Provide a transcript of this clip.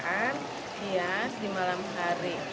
yang dihias di malam hari